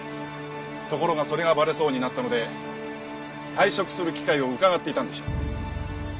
ところがそれがバレそうになったので退職する機会をうかがっていたんでしょう。